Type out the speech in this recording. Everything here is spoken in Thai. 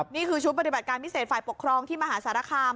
นี่คือชุดปฏิบัติการพิเศษฝ่ายปกครองที่มหาสารคาม